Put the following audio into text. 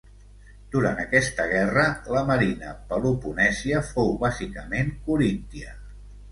Durant aquesta guerra, la marina peloponèsia fou bàsicament coríntia.